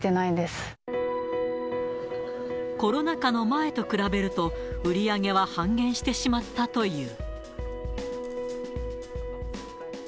コロナ禍の前と比べると、売り上げは半減してしまったという。